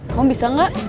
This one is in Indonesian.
kamu bisa enggak